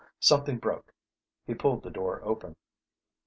Something broke. He pulled the door open.